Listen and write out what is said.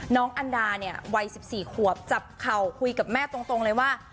อันดาเนี่ยวัย๑๔ขวบจับเข่าคุยกับแม่ตรงเลยว่า